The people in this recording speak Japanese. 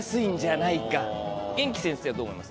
元気先生はどう思います？